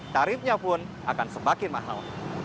tarifnya pun akan semakin mahal